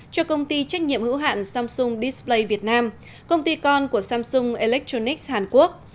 cho công ty trách nhiệm hữu hạn samsung display việt nam công ty con của samsung electronics hàn quốc